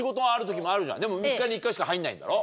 でも３日に１回しか入んないんだろ？